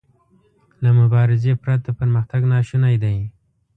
له مبارزې پرته پرمختګ ناشونی دی.